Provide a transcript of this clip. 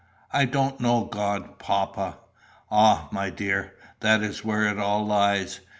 "I don't know God, papa." "Ah, my dear, that is where it all lies.